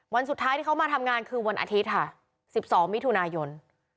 วันสุดท้ายที่เขามาทำงานคือวันอาทิตย์ค่ะ๑๒มิถุนายน